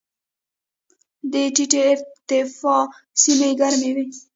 د ټیټې ارتفاع سیمې ګرمې وي.